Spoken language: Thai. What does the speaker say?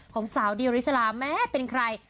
ของสาวดิวริสลาแม่เป็นใคร